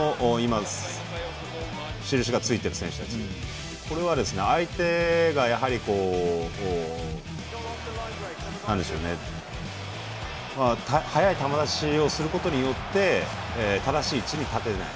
印がついている選手たちは相手が早い球出しをすることによって正しい位置に立てていない。